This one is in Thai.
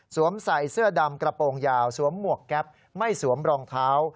ใส่เสื้อดำกระโปรงยาวสวมหมวกแก๊ปไม่สวมรองเท้า